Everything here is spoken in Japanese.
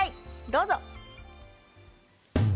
どうぞ。